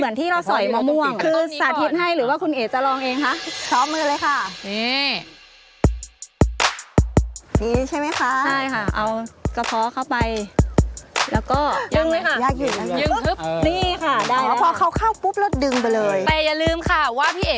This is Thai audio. นี่ค่ะได้แล้วพอเข้าเข้าปุ๊บเราดึงไปเลยแต่อย่าลืมค่ะว่าพี่เอ๋